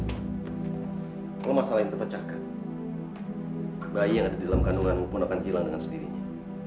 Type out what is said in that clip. kalau masalah yang terpecahkan bayi yang ada di dalam kandungan pun akan hilang dengan sendirinya